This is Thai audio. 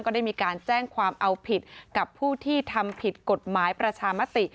ได้มีการแจ้งความเอาผิดกับผู้ที่ทำผิดกฎหมายประชามติ